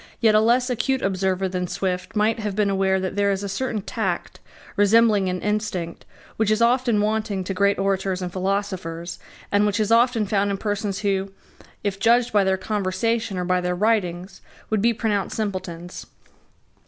Yet a less acute observer than Swift might have been aware that there is a certain tact, resembling an instinct, which is often wanting to great orators and philosophers, and which is often found in persons who, if judged by their conversation or by their writings, would be pronounced simpletons.